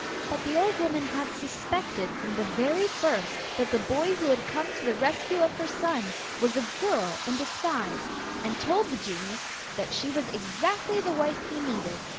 But the old woman had suspected from the very first that the boy who had come to the rescue of her son was a girl in disguise, and told the genius that she was exactly the wife he needed.